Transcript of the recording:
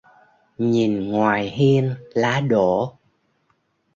Nhìn ngoài hiên lá đổ